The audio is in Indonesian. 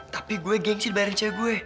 tapi gue geng sih dibayarin cewek gue